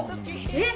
えっ！？